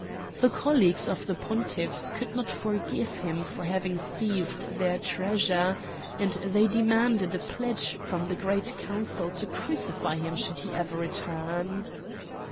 The colleges of the pontiffs could not forgive him for having seized their treasure, and they demanded a pledge from the Great Council to crucify him should he ever return.